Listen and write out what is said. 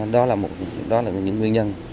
đó là những nguyên nhân